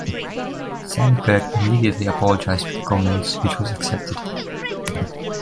Sandberg immediately apologized for the comments, which was accepted.